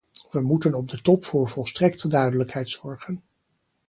We moeten op de top voor volstrekte duidelijkheid zorgen.